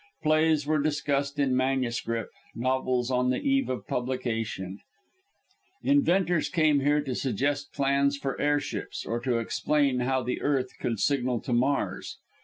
Plays were discussed in manuscript, novels on the eve of publication; inventors came here to suggest plans for airships, or to explain how the earth could signal to Mars.